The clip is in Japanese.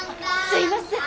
すみません。